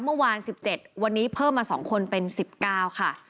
เมื่อวาน๑๗วันนี้เพิ่มมา๒คนเป็น๑๙ค่ะ